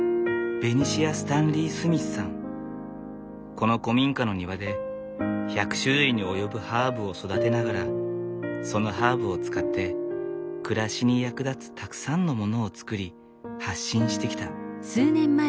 この古民家の庭で１００種類に及ぶハーブを育てながらそのハーブを使って暮らしに役立つたくさんのものを作り発信してきた。